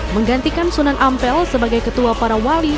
menggantikan sunan ampel sebagai ketua para wali